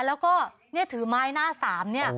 แล้วก็เนี่ยถือไม้หน้าสามเนี่ย